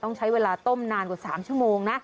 ต้องใช้เวลาต้มนานกว่า๓ชั่วโมงนะ